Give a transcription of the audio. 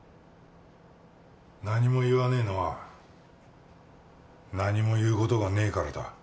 何も言わねえのは何も言うことがねえからだ